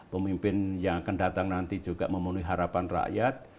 pemimpin yang akan datang nanti juga memenuhi harapan rakyat